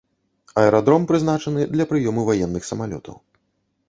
Аэрадром прызначаны для прыёму ваенных самалётаў.